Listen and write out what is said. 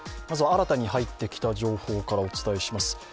まずは新たに入ってきた情報からお伝えします。